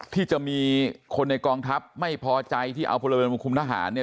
ที่จะมีคนในกองทัพไม่พอใจที่เอาพลเมืองมาคุมทหารเนี่ย